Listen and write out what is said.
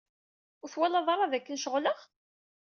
Ur twalad ara dakken ceɣleɣ?